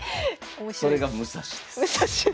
それが武蔵です。